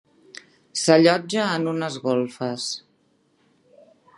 S'allotja en unes golfes.